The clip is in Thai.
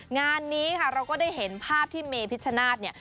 งานนี้ค่ะเราก็ได้เห็นภาพที่เมพิชชนาธิ์เนี่ย